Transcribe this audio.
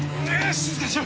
静かにしろ！